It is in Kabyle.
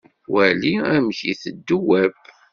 Wali amek i iteddu Web.